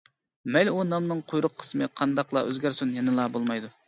مەيلى ئۇ نامنىڭ قۇيرۇق قىسمى قانداقلا ئۆزگەرسۇن يەنىلا بولمايدۇ.